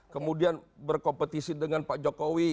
kemudian berkompetisi dengan pak jokowi